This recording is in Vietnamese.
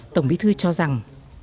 tổng bí thư cho rằng